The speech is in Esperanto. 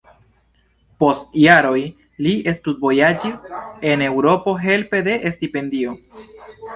Post jaroj li studvojaĝis en Eŭropo helpe de stipendio.